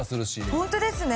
ホントですね。